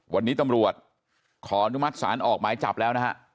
วันนี้ตำรวจขออนุมัติศาลออกหมายจับแล้วนะฮะ